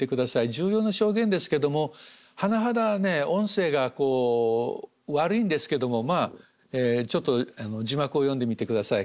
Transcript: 重要な証言ですけども甚だ音声がこう悪いんですけどもまあちょっと字幕を読んでみて下さい。